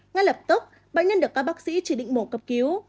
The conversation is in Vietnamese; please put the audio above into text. ngay lập tức bệnh nhân được các bác sĩ chỉ định mổ cấp cứu